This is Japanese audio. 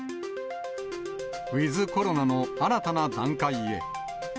ウィズコロナの新たな段階へ。